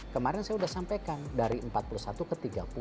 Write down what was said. kemarin saya sudah sampaikan dari empat puluh satu ke tiga puluh